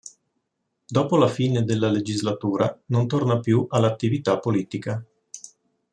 Dopo la fine della legislatura non torna più all'attività politica.